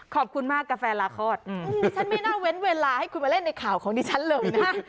ขอบคุณมากกาแฟลาคลอดดิฉันไม่น่าเว้นเวลาให้คุณมาเล่นในข่าวของดิฉันเลยนะ